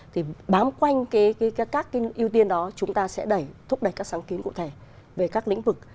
thì bám quanh các cái ưu tiên đó chúng ta sẽ đẩy thúc đẩy các sáng kiến cụ thể về các lĩnh vực